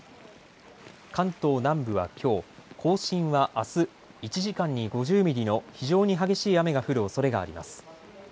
関東南部はきょう、甲信はあす、１時間に５０ミリの非常に激しい雨が降るおそれがあります。